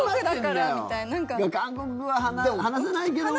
韓国語は話せないけども。